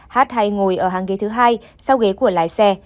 hát hay ngồi ở hàng ghế thứ hai sau ghế của lái xe